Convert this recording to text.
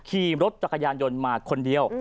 ขี่รถจักรยานยนต์มาคนเดียว